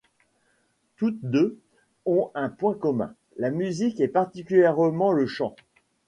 Toutes deux ont un point commun, la musique et particulièrement le chant.